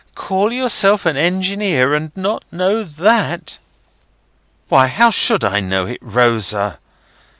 Call yourself an Engineer, and not know that?" "Why, how should I know it, Rosa?"